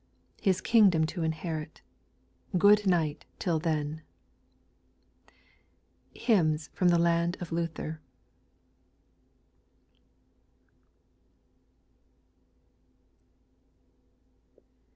His kingdom to inherit ;— Good night till then ! HTMNS FROM THE LAND OF LUTHEB.